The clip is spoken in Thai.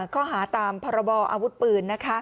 ข้อหาตามพรบออาวุธปืน